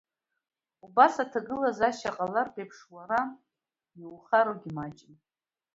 Убас аҭагылазаашьа ҟалартә еиԥш, уара иухароугьы маҷым…